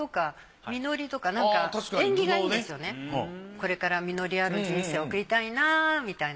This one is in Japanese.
これから実りある人生を送りたいなみたいな。